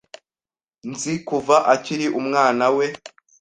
Nzi kuva akiri umwanawe.